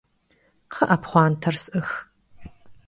Kxhı'e, pxhuanter s'ıx!